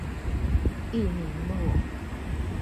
益民路